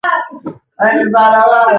د ازادۍ اغېز ټولنه د غوړېدلو لارو ته سوق کوي.